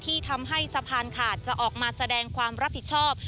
ที่ทำให้สะพานขาดจะออกมาแสดงความรับผิดชอบ